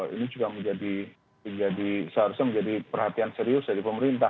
ini juga seharusnya menjadi perhatian serius dari pemerintah